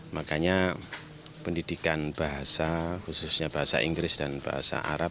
makanya pendidikan bahasa khususnya bahasa inggris dan bahasa arab